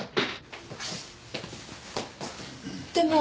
でも